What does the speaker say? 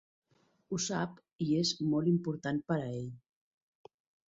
Ho sap i és molt important per a ell.